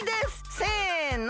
せの！